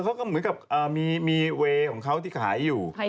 เขาก็เหมือนกับมีเวย์ของเขาที่ขายอยู่